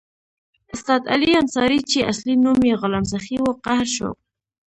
استاد علي انصاري چې اصلي نوم یې غلام سخي وو قهر شو.